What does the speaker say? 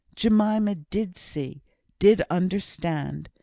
Jemima did see; did understand.